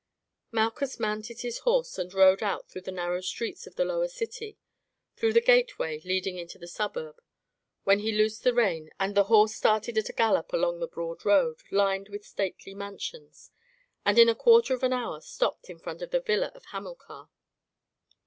Malchus mounted his horse and rode out through the narrow streets of the lower city, through the gateway leading into the suburb, then he loosed the rein and the horse started at a gallop along the broad road, lined with stately mansions, and in a quarter of an hour stopped in front of the villa of Hamilcar.